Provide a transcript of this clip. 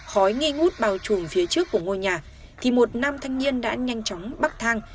khói nghi ngút bao trùm phía trước của ngôi nhà thì một nam thanh niên đã nhanh chóng bắc thang